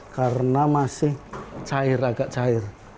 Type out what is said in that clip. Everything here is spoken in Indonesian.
karena masih cair agak cair